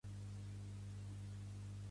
Pertany al moviment independentista l'Ampar?